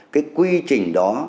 cái quy trình đó